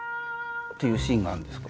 っていうシーンがあるんですか？